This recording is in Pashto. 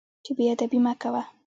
چې بې ادبي مه کوه.